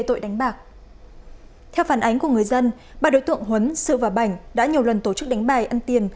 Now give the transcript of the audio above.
theo phản ánh của người dân ba đối tượng huấn sư và bảnh đã nhiều lần tổ chức đánh bài ăn tiền